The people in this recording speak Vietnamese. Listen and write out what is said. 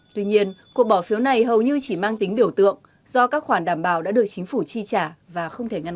tuy nhiên cuộc bỏ phiếu này hầu như chỉ mang tính biểu tượng do các khoản đảm bảo đã được chính phủ chi trả và không thể ngăn